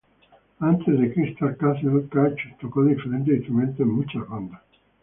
Antes de Crystal Castles, Kath tocó diferentes instrumentos en muchas bandas.